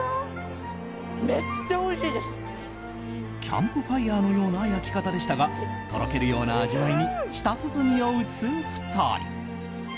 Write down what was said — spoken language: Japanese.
キャンプファイヤーのような焼き方でしたがとろけるような味わいに舌鼓を打つ２人。